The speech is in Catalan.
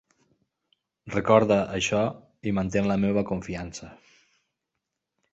Recorda això i mantén la meva confiança.